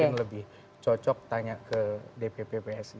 mungkin lebih cocok tanya ke dpp psi